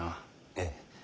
ええ。